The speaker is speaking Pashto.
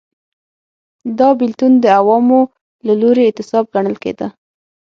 دا بېلتون د عوامو له لوري اعتصاب ګڼل کېده.